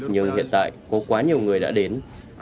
nhưng hiện tại có quá nhiều người đã đến